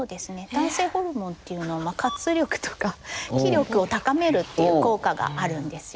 男性ホルモンっていうのは活力とか気力を高めるっていう効果があるんですよね。